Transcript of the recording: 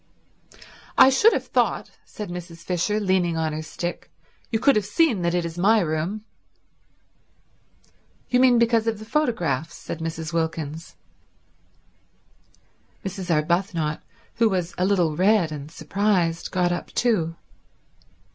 "I should have thought," said Mrs. Fisher leaning on her stick, "you could have seen that it is my room." "You mean because of the photographs," said Mrs. Wilkins. Mrs. Arbuthnot, who was a little red and surprised, got up too.